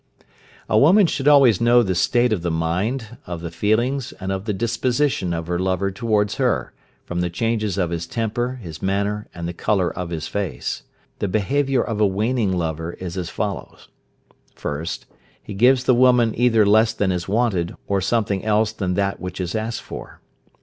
A woman should always know the state of the mind, of the feelings, and of the disposition of her lover towards her, from the changes of his temper, his manner, and the colour of his face. The behaviour of a waning lover is as follows: 1st. He gives the woman either less than is wanted, or something else than that which is asked for.